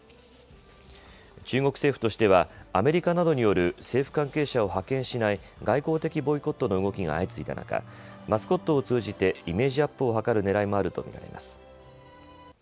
中国政府としてはアメリカなどによる政府関係者を派遣しない外交的ボイコットの動きが相次いだ中、マスコットを通じてイメージアップを図るねらいもあると見ています。